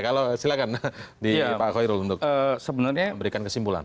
kalau silakan di pak khoi rul untuk memberikan kesimpulan